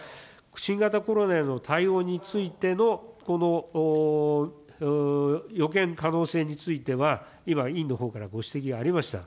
新型コロナへの対応についてのこの予見可能性については、今、委員のほうからご指摘がありました。